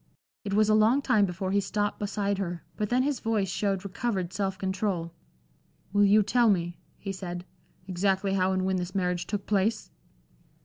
It was a long time before he stopped beside her, but then his voice showed recovered self control. "Will you tell me," he said, "exactly how and when this marriage took place?"